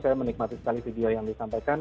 saya menikmati sekali video yang disampaikan